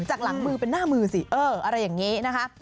จากหลังมือเป็นหน้ามือสิเอออะไรอย่างนี้นะคะ